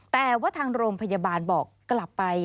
แต่ว่าทางโรงพยาบาลบอกกลับไป